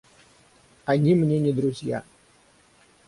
Они мне не друзья.